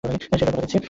শেষবার, কথা দিচ্ছি।